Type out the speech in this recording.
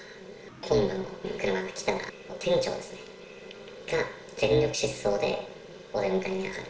本部の車が来たら、店長がですね、全力疾走でお出迎えに上がる。